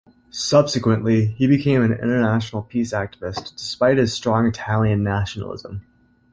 Subsequently, he became an international peace activist, despite his strong Italian nationalism.